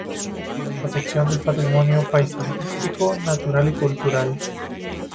Protección del patrimonio paisajístico, natural y cultural.